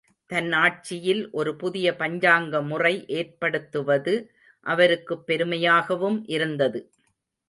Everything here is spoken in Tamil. தன் ஆட்சியில் ஒரு புதிய பஞ்சாங்க முறை ஏற்படுத்துவது அவருக்குப் பெருமையாகவும் இருந்தது.